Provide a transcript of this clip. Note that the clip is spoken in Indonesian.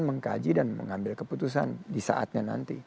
mengkaji dan mengambil keputusan disaatnya nanti